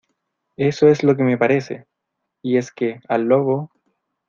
eso es lo que me parece. y es que, al lobo ,